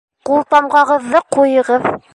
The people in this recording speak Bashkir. Ҡултамғағыҙҙы ҡуйығыҙ